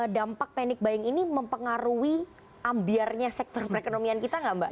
dampak panic buying ini mempengaruhi ambiarnya sektor perekonomian kita nggak mbak